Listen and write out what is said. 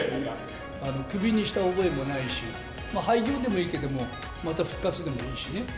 首にした覚えもないし、廃業でもいいけども、また復活でもいいしね。